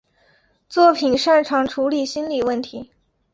作品擅长处理心理问题。